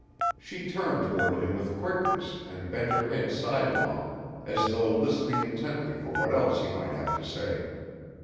She turned toward him with quickness and bent her head sidelong as though listening intently for what else he might have to say.